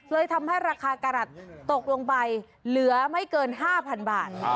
ทำให้ราคากระหลัดตกลงไปเหลือไม่เกิน๕๐๐๐บาท